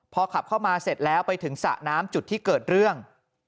พอขับเข้ามาเสร็จแล้วไปถึงสระน้ำจุดที่เกิดเรื่อง